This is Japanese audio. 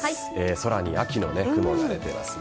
さらに秋の雲が出ていますね。